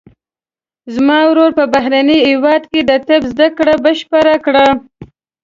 زما ورور په بهرني هیواد کې د طب زده کړه بشپړه کړه